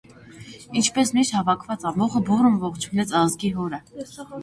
Ինչպէս միշտ հաւաքուած ամբոխը բուռն ողջունեց «ազգի հօրը»։